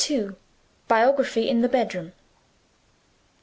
BIOGRAPHY IN THE BEDROOM.